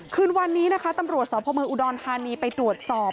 คืนวันนี้นะคะตำรวจสพเมืองอุดรธานีไปตรวจสอบ